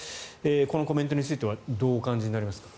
このコメントについてはどう感じになりますか。